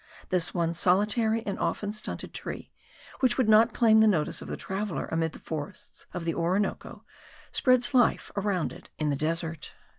This one solitary and often stunted tree, which would not claim the notice of the traveller amid the forests of the Orinoco, spreads life around it in the desert.